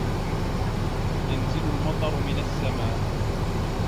يَنْزِلُ الْمَطَرُ مِنَ السَّمَاءِ.